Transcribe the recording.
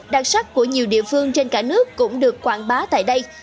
đặc sắc của nhiều địa phương trên cả nước cũng được quảng bá tại đây